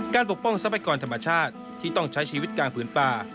ปกป้องทรัพยากรธรรมชาติที่ต้องใช้ชีวิตกลางผืนป่า